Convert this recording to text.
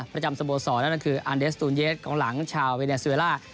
ประจำสมบวนสอนนั่นก็คืออันเดสตูนเยสของหลังชาวเวเนสเวร่า